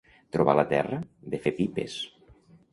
Trobar la terra de fer pipes.